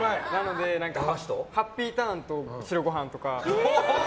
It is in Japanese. ハッピーターンと白ご飯とか。